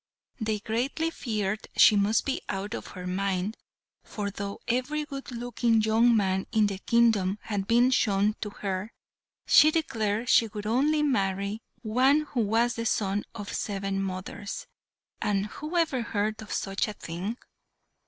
They greatly feared she must be out of her mind, for though every good looking young man in the kingdom had been shown to her, she declared she would only marry one who was the son of seven mothers, and who ever heard of such a thing?